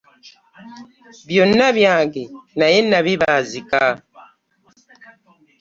Byonna byange naye nabibaazika.